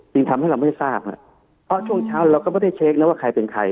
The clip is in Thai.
ทำให้เราไม่ทราบเพราะช่วงเช้าเราก็ไม่ได้เช็คแล้วว่าใครเป็นใคร